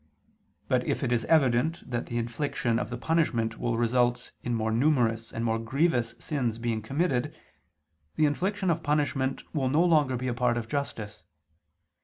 But if it is evident that the infliction of punishment will result in more numerous and more grievous sins being committed, the infliction of punishment will no longer be a part of justice.